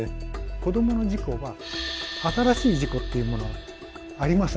子どもの事故は新しい事故っていうものはありません。